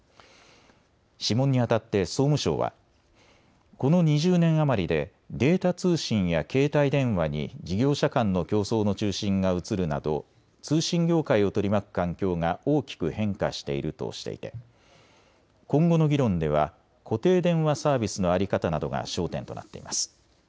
諮問にあたって総務省はこの２０年余りでデータ通信や携帯電話に事業者間の競争の中心が移るなど通信業界を取り巻く環境が大きく変化しているとしていて今後の議論では固定電話サービスの在り方などが焦点となっています。